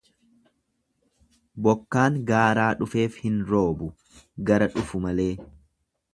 Bokkaan gaaraa dhufeef hin roobu gara dhufu malee.